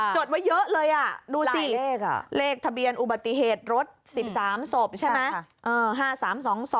จดไว้เยอะเลยดูสิเลขทะเบียนอุบัติเหตุรถ๑๓ศพใช่ไหม